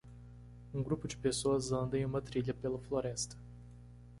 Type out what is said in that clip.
Um grupo de pessoas anda em uma trilha pela floresta.